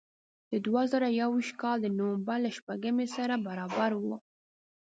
د دوه زره یو ویشت کال د نوامبر له شپږمې سره برابر و.